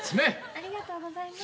ありがとうございます。